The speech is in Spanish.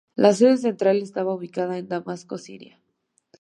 La sede central estaba ubicada en Damasco, Siria.